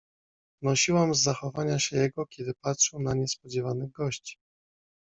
"Wnosiłam z zachowania się jego, kiedy patrzył na niespodziewanych gości."